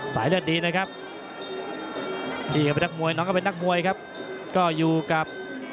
เลือดดีนะครับนี่ก็เป็นนักมวยน้องก็เป็นนักมวยครับก็อยู่กับ